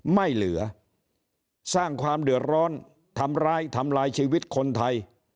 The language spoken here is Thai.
ไม่เหลือสร้างความเดือดร้อนทำร้ายทำลายชีวิตคนไทย